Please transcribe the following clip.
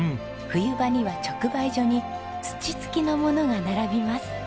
冬場には直売所に土付きのものが並びます。